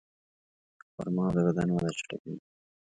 خرما د بدن وده چټکوي.